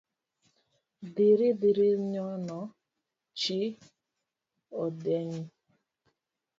Dhiri dhirinyono chi odeny